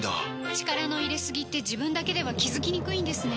力の入れすぎって自分だけでは気付きにくいんですね